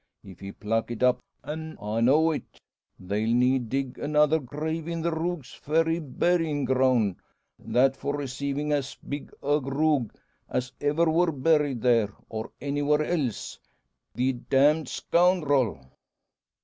If he pluck it up, an' I know it, they'll need dig another grave in the Rogue's Ferry buryin' groun' that for receivin' as big a rogue as ever wor buried there, or anywhere else the d d scoundrel!"